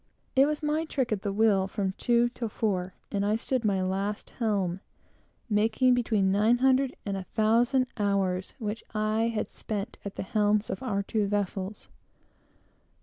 It was my trick at the wheel from two till four; and I stood my last helm, making between nine hundred and a thousand hours which I had spent at the helms of our two vessels.